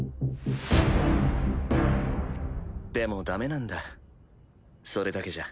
でもダメなんだそれだけじゃ。